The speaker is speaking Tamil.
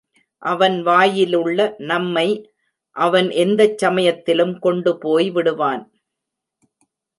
அவன் வாயிலுள்ள நம்மை அவன் எந்தச் சமயத்திலும் கொண்டு போய்விடுவான்.